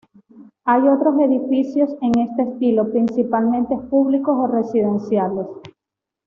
Hay otros edificios en este estilo, principalmente públicos o residenciales.